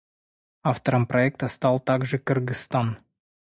Автором проекта стал также Кыргызстан.